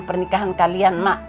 pernikahan kalian mak